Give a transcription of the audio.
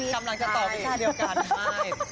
กำลังจะต่อไปเดียวกันครับ